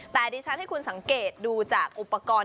แต่ดิฉันให้คุณสังเกตดูจากอุปกรณ์